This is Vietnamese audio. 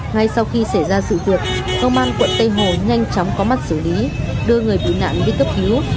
ngay sau khi xảy ra sự việc công an quận tây hồ nhanh chóng có mặt xử lý đưa người bị nạn đi cấp cứu